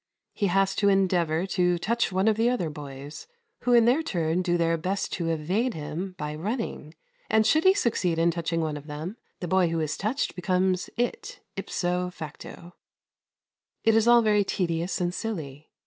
He has to endeavour to touch one of the other boys, who in their turn do their best to evade him by running, and should he succeed in touching one of them, the boy who is touched becomes "it" ipso facto. It is all very tedious and silly.